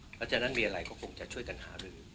เพราะฉะนั้นมีอะไรก็คงจะช่วยกันหารือ